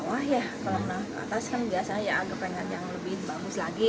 kalau menengah ke atas kan biasa agak pengen yang lebih bagus lagi